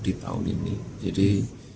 di tahun ini jadi